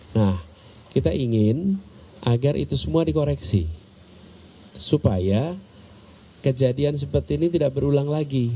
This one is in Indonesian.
nah kita ingin agar itu semua dikoreksi supaya kejadian seperti ini tidak berulang lagi